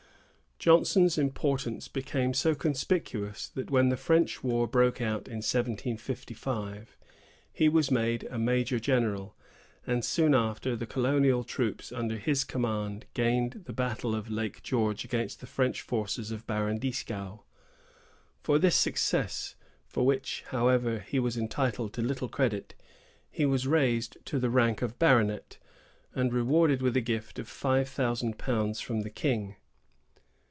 Johnson's importance became so conspicuous, that when the French war broke out in 1755, he was made a major general; and, soon after, the colonial troops under his command gained the battle of Lake George against the French forces of Baron Dieskau. For this success, for which however he was entitled to little credit, he was raised to the rank of baronet, and rewarded with a gift of five thousand pounds from the king.